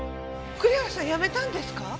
栗原さん辞めたんですか？